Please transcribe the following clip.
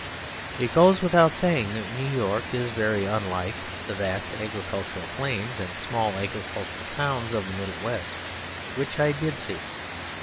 It goes without saying that New York is very unlike the vast agricultural plains and small agricultural towns of the Middle West, which I did see.